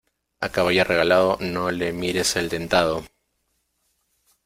A caballo regalado no le mires el dentado.